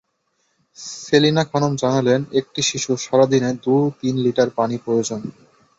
সেলিনা খানম জানালেন, একটি শিশুর সারা দিনে দু-তিন লিটার পানি প্রয়োজন।